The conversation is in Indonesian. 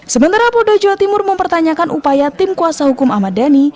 sementara polda jawa timur mempertanyakan upaya tim kuasa hukum ahmad dhani